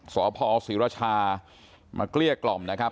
สพศรีรชามาเกลี้ยกล่อมนะครับ